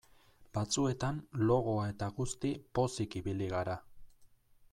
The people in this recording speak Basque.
Batzuetan logoa eta guzti pozik ibili gara.